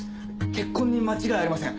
血痕に間違いありません。